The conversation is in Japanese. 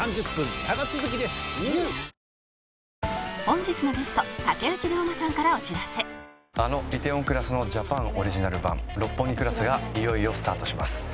本日のゲストあの『梨泰院クラス』のジャパンオリジナル版『六本木クラス』がいよいよスタートします。